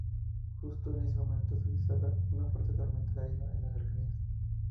Justo en ese momento se desata una fuerte tormenta de arena en las cercanías.